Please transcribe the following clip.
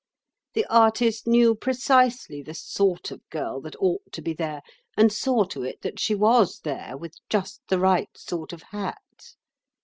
The artist knew precisely the sort of girl that ought to be there, and saw to it that she was there, with just the right sort of hat.